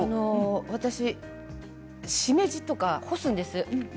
私、しめじとか干すんです。